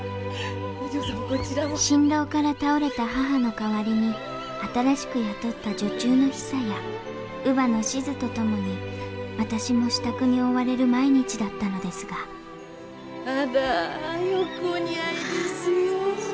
心労から倒れた母の代わりに新しく雇った女中のひさや乳母のしづと共に私も支度に追われる毎日だったのですがあらよくお似合いですよ。